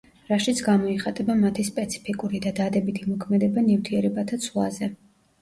რაშიც გამოიხატება მათი სპეციფიკური და დადებითი მოქმედება ნივთიერებათა ცვლაზე.